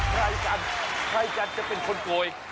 ใครกันใครกันจะเป็นคนโกย